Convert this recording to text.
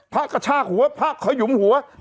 พระกระชากหัวพระขยุมหัว